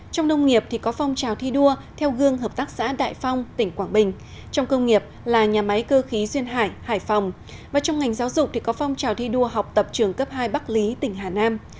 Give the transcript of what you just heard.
trong nông nghiệp thì có phong trào thi đua theo gương hợp tác xã đại phong tỉnh quảng bình trong công nghiệp là nhà máy cơ khí duyên hải hải phòng và trong ngành giáo dục thì có phong trào thi đua học tập trường cấp hai bắc lý tỉnh hà nam